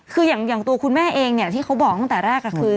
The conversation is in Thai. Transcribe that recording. คืออย่างตัวคุณแม่เองเนี่ยที่เขาบอกตั้งแต่แรกคือ